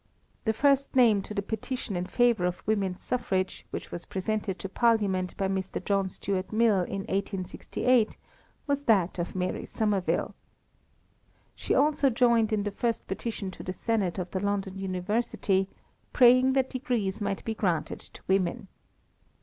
The first name to the petition in favour of women's suffrage which was presented to Parliament by Mr. J. S. Mill in 1868 was that of Mary Somerville. She also joined in the first petition to the Senate of the London University, praying that degrees might be granted to women.